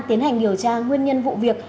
tiến hành điều tra nguyên nhân vụ việc